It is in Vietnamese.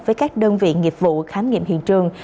với các đơn vị nghiệp vụ khám nghiệm hiện trường